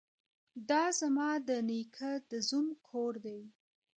ده ځما ده نيکه ده زوم کور دې.